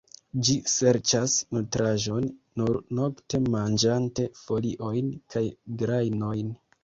Ĝi serĉas nutraĵon nur nokte, manĝante foliojn kaj grajnojn.